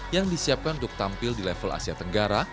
yang disiapkan untuk tampil di level asia tenggara